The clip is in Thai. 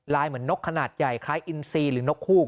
เหมือนนกขนาดใหญ่คล้ายอินซีหรือนกฮูก